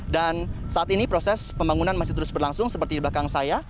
dan saat ini proses pembangunan masih terus berlangsung seperti di belakang saya